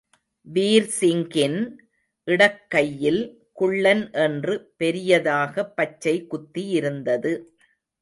வீர்சிங்கின் இடக்கையில் குள்ளன் என்று பெரியதாகப் பச்சை குத்தியிருந்தது.